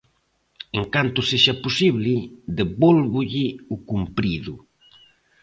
En canto sexa posible, devólvolle o cumprido.